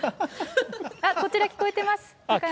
こちら、聞こえてます。